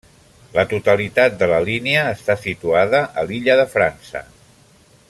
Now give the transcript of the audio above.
La totalitat de la línia està situada a l'Illa de França.